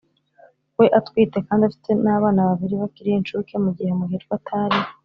we atwite kandi afite n'abana babiri bakiri inshuke mu gihe muhirwa atari